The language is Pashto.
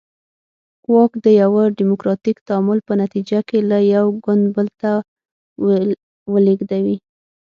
واک د یوه ډیموکراتیک تعامل په نتیجه کې له یو ګوند بل ته ولېږدوي.